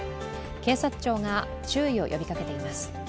警察庁が注意を呼びかけています。